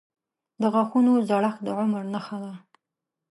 • د غاښونو زړښت د عمر نښه ده.